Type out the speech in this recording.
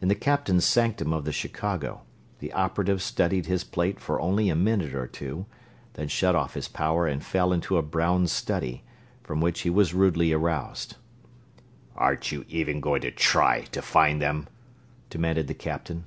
In the captain's sanctum of the Chicago, the operative studied his plate for only a minute or two, then shut off his power and fell into a brown study, from which he was rudely aroused. "Aren't you even going to try to find them?" demanded the captain.